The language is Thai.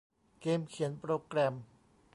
เกมเขียนโปรแกรม